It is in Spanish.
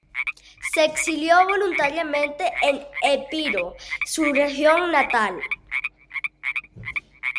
Se exilió voluntariamente en Epiro, su región natal.